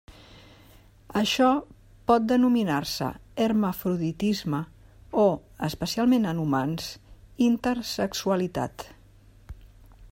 Això pot denominar-se hermafroditisme o ―especialment en humans― intersexualitat.